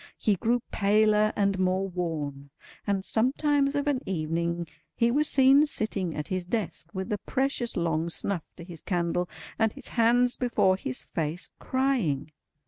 He grew paler and more worn; and sometimes of an evening he was seen sitting at his desk with a precious long snuff to his candle, and his hands before his face, crying.